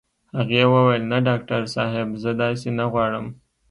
هغې وويل نه ډاکټر صاحب زه داسې نه غواړم.